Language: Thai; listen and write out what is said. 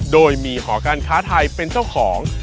โดยมีหอการค้าไทยเป็นเจ้าของ